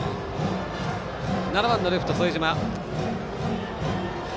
７番レフト副島。